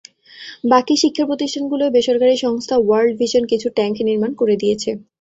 বাকি শিক্ষাপ্রতিষ্ঠানগুলোয় বেসরকারি সংস্থা ওয়ার্ল্ড ভিশন কিছু ট্যাংক নির্মাণ করে দিয়েছে।